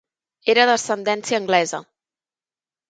Era d'ascendència anglesa.